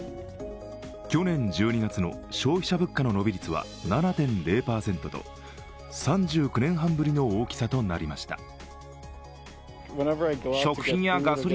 去年１２月の消費者物価の伸び率は７．０％と３９年半ぶりの大きさとなりました。